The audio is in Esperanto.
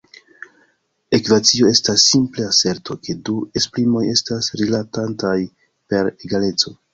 Ekvacio estas simple aserto ke du esprimoj estas rilatantaj per egaleco.